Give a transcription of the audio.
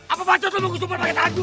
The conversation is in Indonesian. apa bacot lo mau gue sumber pake tangan gue